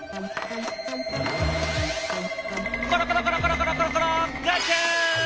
コロコロコロコロコロコロコロガチャン！